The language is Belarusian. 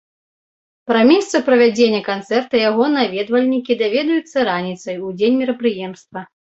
Пра месца правядзення канцэрта яго наведвальнікі даведаюцца раніцай у дзень мерапрыемства.